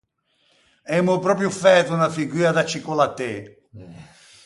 Emmo pròpio fæto unna figua da cicolatê.